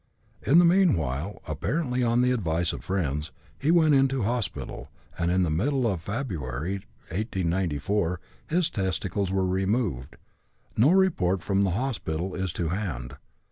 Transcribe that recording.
In the meanwhile, apparently on the advice of friends, he went into hospital, and in the middle of February, 1894, his testicles were removed. No report from the hospital is to hand.